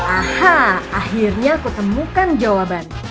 aha akhirnya aku temukan jawaban